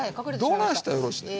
どないしたらよろしいねん。